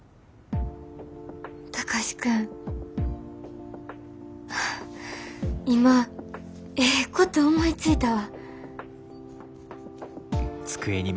貴司君今ええこと思いついたわ。